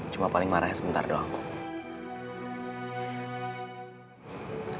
cuma paling marahnya sebentar doang kum